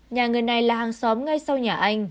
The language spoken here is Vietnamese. nhà người này là hàng xóm ngay sau nhà anh